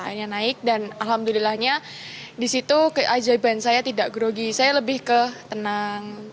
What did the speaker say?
akhirnya naik dan alhamdulillahnya disitu keajaiban saya tidak grogi saya lebih ke tenang